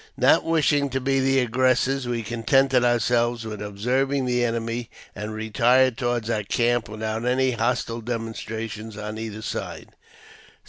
Not wishing to be the aggressors, we contented ourselves with observing the enemy, and retired toward our camp, with out any hostile demonstration on either side.